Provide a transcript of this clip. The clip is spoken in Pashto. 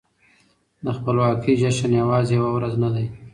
د خپلواکۍ جشن يوازې يوه ورځ نه ده.